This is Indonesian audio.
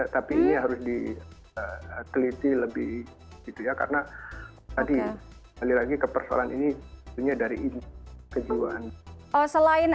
tapi ini harus dikeliti lebih gitu ya karena tadi lagi lagi ke persoalan ini punya dari kejauhan